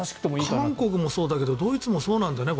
韓国もそうだけどドイツもそうなんだよね。